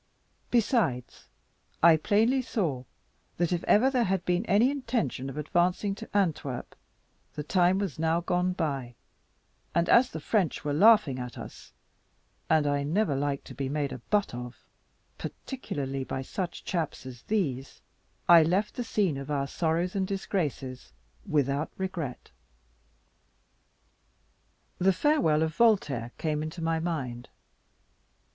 Besides, I plainly saw that if there ever had been any intention of advancing to Antwerp, the time was now gone by; and as the French were laughing at us, and I never liked to be made a butt of, particularly by such chaps as these, I left the scene of our sorrows and disgraces without regret. The farewell of Voltaire came into my mind.